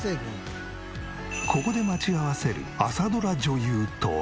ここで待ち合わせる朝ドラ女優とは？